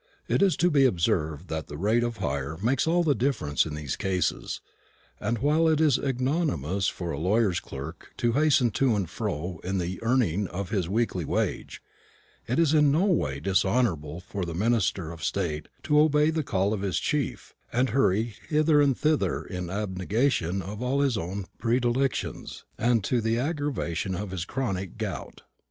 It is to be observed that the rate of hire makes all the difference in these cases; and while it is ignominious for a lawyer's clerk to hasten to and fro in the earning of his weekly wage, it is in no way dishonourable for the minister of state to obey the call of his chief, and hurry hither and thither in abnegation of all his own predilections, and to the aggravation of his chronic gout.